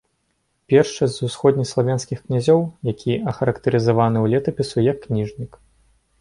Першы з усходнеславянскіх князёў, які ахарактарызаваны ў летапісу як кніжнік.